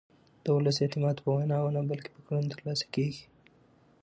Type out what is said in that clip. د ولس اعتماد په ویناوو نه بلکې په کړنو ترلاسه کېږي